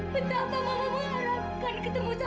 karena kamu tidak boleh seperti itu sama kamila